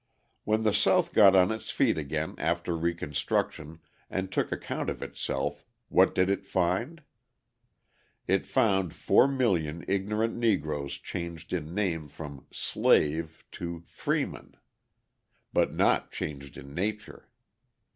When the South got on its feet again after Reconstruction and took account of itself, what did it find? It found 4,000,000 ignorant Negroes changed in name from "slave" to "freeman," but not changed in nature.